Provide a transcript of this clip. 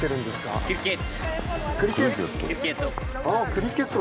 クリケット。